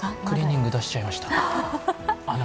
クリーニング出しちゃいました。